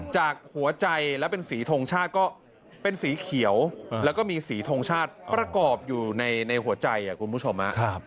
จากหัวใจและเป็นสีทงชาติก็เป็นสีเขียวแล้วก็มีสีทงชาติประกอบอยู่ในหัวใจคุณผู้ชม